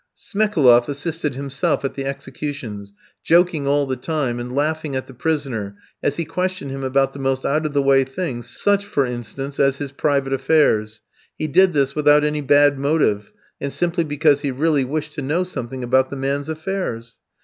Smekaloff assisted himself at the executions, joking all the time, and laughing at the prisoner as he questioned him about the most out of the way things, such, for instance, as his private affairs. He did this without any bad motive, and simply because he really wished to know something about the man's affairs.